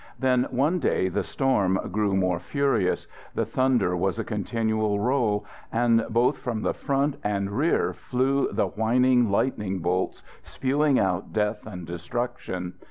Then one day the storm grew more furious. The thunder was a continual roll, and both from the front and rear flew the whining lightning bolts, spewing out death and destruction.